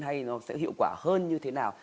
hay nó sẽ hiệu quả hơn như thế nào